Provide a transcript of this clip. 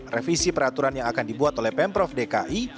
revisi peraturan yang akan dibuat oleh pemprov dki